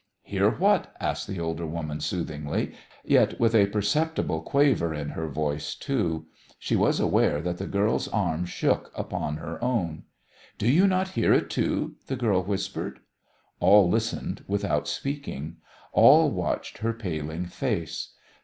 "Hear what?" asked the older woman soothingly, yet with a perceptible quaver in her voice, too. She was aware that the girl's arm shook upon her own. "Do you not hear it, too?" the girl whispered. All listened without speaking. All watched her paling face.